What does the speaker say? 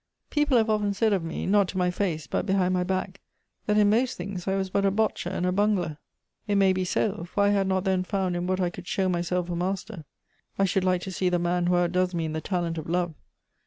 People have ofteu ,aid of me, not to my face, but behind my back, that in aost things I was but a botcher and a bungler. It may Elective Affinities. 147 be so ; for I had not then found in what I could show myself a master. I should like to see the man who out does me in the talent of love.